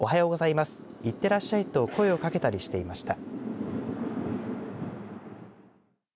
いってらっしゃいと声をかけたりしていました。